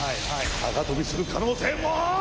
高飛びする可能性もある！